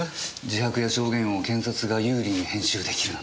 自白や証言を検察が有利に編集できるなんて。